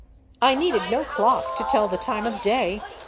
I needed no clock to tell the time of day.